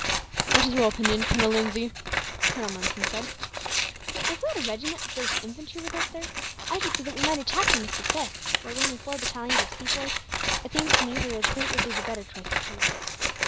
"What is your opinion, Captain Lindsay?" Colonel Monson said. "If we had a regiment of British infantry with us, sir, I should say that we might attack them, with success; but with only four battalions of Sepoys, it seems to me that a retreat would be the better choice of two evils.